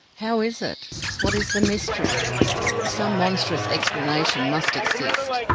How is it? What is the mystery? Some monstrous explanation must exist.